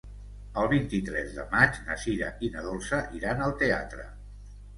El vint-i-tres de maig na Sira i na Dolça iran al teatre.